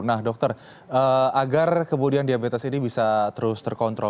nah dokter agar kemudian diabetes ini bisa terus terkontrol